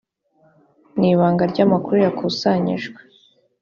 n ibanga ry amakuru yakusanyijwe